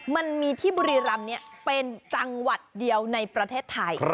มันมีที่บุรีรำเป็นจังหวัดเดียวในประเทศไทย